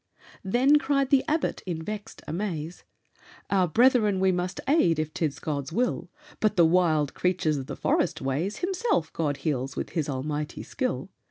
Then cried the Abbot in a vexed amaze, "Our brethren we must aid, if 'tis God's will; But the wild creatures of the forest ways Himself God heals with His Almighty skill.